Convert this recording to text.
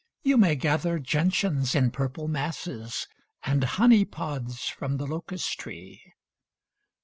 You may gather gentians in purple masses And honeypods from the locust tree.